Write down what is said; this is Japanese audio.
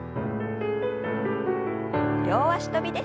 両脚跳びです。